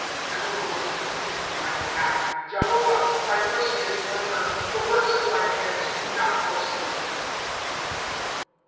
* Jehovah will complete it in my hehalf ; Jehovah, thy mercy is forever. The works of thy hands do not forsake